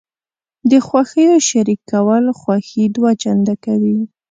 د خوښیو شریکول خوښي دوه چنده کوي.